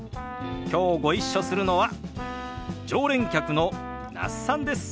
きょうご一緒するのは常連客の那須さんです。